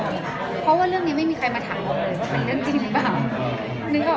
เพราะว่าเรื่องนี้ไม่มีใครมาถามหมดเลยว่าเป็นเรื่องจริงหรือเปล่า